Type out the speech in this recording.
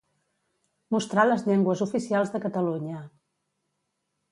Mostrar les llengües oficials de Catalunya.